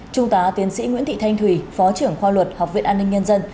trung tá tiến sĩ nguyễn thị thanh thùy phó trưởng khoa luật học viện an ninh nhân dân